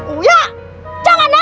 uya jangan lalu